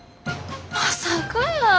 まさかやー。